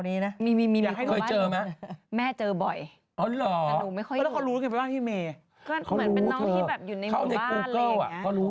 มันไม่พริเวตเออ